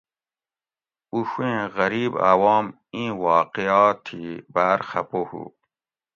اُڛویئں غریب عوام ایں واقعا تھی باۤر خپہ ھُو